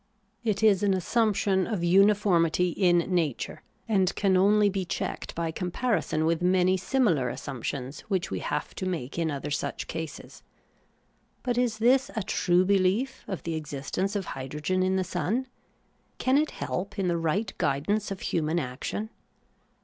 It is an assumption of unifor mity in nature, and can only be checked by comparison with many similar assumptions which we have to make in other such cases. But is this a true behef, of the existence of hydrogen in the sun ? Can it help in the right guidance of human action